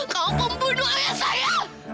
kau pembunuh ayah saya